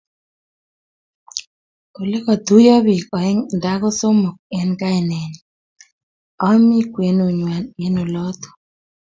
Ole katuyo bik aeng nda kosomok eng kainenyu, ami kwenunywa eng oloto